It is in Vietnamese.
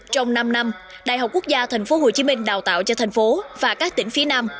trong năm năm đại học quốc gia tp hcm đào tạo cho thành phố và các tỉnh phía nam